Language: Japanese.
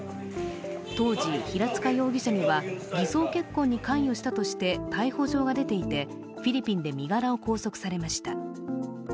当時、平塚容疑者には偽装結婚に関与したとして逮捕状が出ていてフィリピンで身柄が拘束されました。